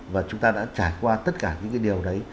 và chúng ta đã trải qua tất cả những cái điều đấy